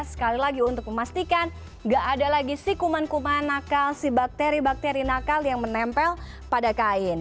sekali lagi untuk memastikan nggak ada lagi si kuman kuman nakal si bakteri bakteri nakal yang menempel pada kain